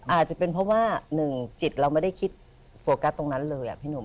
อาจจะเป็นเพราะว่าหนึ่งจิตเราไม่ได้คิดโฟกัสตรงนั้นเลยพี่หนุ่ม